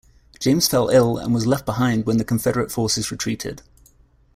James fell ill and was left behind when the Confederate forces retreated.